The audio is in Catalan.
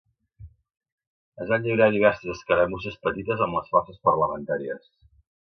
Es van lliurar diverses escaramusses petites amb les forces parlamentàries.